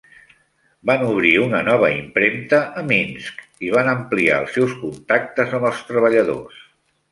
Van obrir una nova impremta a Minsk i van ampliar els seus contactes amb els treballadors.